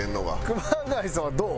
熊谷さんはどう？